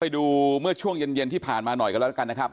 ไปดูเมื่อช่วงเย็นที่ผ่านมาหน่อยกันแล้วกันนะครับ